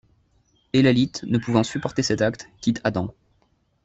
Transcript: Elalyth, ne pouvant supporter cet acte, quitte Adam.